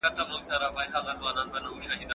یوه مېنه یو غلیم یو یې سنګر دی